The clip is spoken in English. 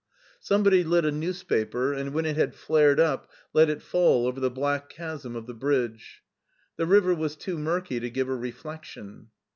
Somebody lit a newspaper, and when it had flared up let it fall over the black chasm of the bridge. The river was too murky to give a reflection.